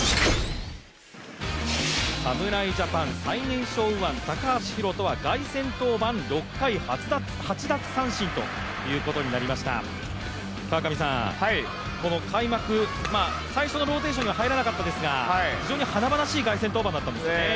侍ジャパン最年少右腕、高橋宏斗は凱旋登板、６回８奪三振となりました開幕、最初のローテーションには入らなかったんですが非常に華々しい凱旋登板だったんですね。